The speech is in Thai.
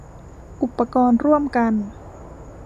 อุปกรณ์ร่วมกัน